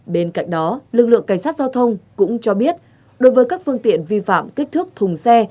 bên cạnh đó lực lượng cảnh sát giao thông cũng cho biết đối với các phương tiện vi phạm kích thước thùng xe